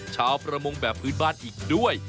ชาวประมงแบบพื้นบ้านอีกด้วย